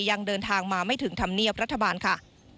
ยังเดินทางมาไม่ถึงธรรมเนียบรัฐบาลค่ะ